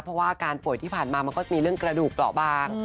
เพราะว่าอาการป่วยที่ผ่านมามันก็จะมีเรื่องกระดูกเปราะบาง